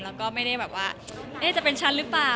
แล้วก็ไม่ได้แบบว่าจะเป็นฉันหรือเปล่า